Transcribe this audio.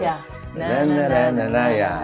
nah nah nah nah nah nah